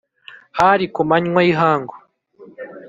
_Hari ku manywa y'ihangu